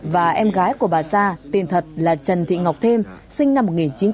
và em gái của bà sa tên thật là trần thị ngọc thêm sinh năm một nghìn chín trăm bảy mươi năm